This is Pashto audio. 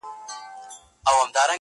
ه مړ او ځوانيمرگ دي سي.